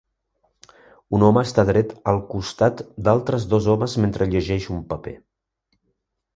Un home està dret al costat d'altres dos homes mentre llegeix un paper.